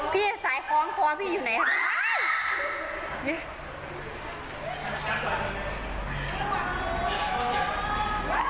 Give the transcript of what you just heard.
พี่ภายพร้อมพร้อมพี่อยู่ไหน